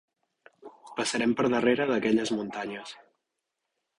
Passarem per darrere d'aquelles muntanyes.